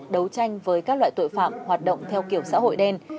đấu tranh với các loại tội phạm hoạt động theo kiểu xã hội đen